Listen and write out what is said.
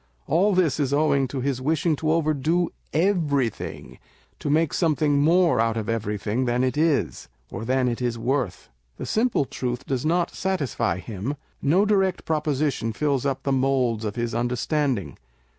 All this is owing to his wishing to overdo everything â€" to make some thing more out of everything than it is, or than it is worth. The simple truth does not satisfy him â€" no direct proposition fills up the moulds of his understanding.